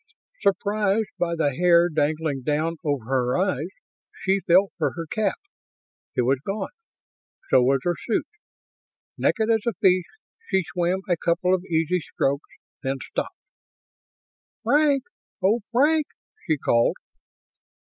Surprised by the hair dangling down over her eyes, she felt for her cap. It was gone. So was her suit. Naked as a fish. She swam a couple of easy strokes, then stopped. "Frank! Oh, Frank!" she called.